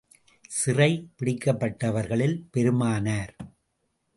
சிறை பிடிக்கப்பட்டவர்களில் பெருமானார்.